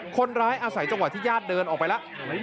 คนร้ายอาศัยจังหวะที่ญาติเดินออกไปแล้ว